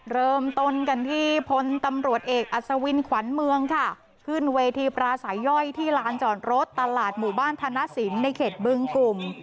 เริ่มต้นกันที่พลตำรวจเอกอัศวินขวัญเมืองค่ะขึ้นเวทีปราศัยย่อยที่ลานจอดรถตลาดหมู่บ้านธนสินในเขตบึงกลุ่ม